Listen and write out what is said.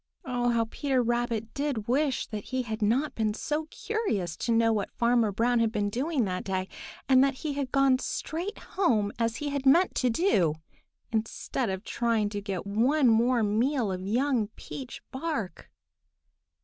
Oh, how Peter Rabbit did wish that he had not been so curious to know what Farmer Brown had been doing that day, and that he had gone straight home as he had meant to do, instead of trying to get one more meal of young peach bark!